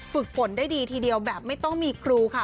ฝึกฝนได้ดีทีเดียวแบบไม่ต้องมีครูค่ะ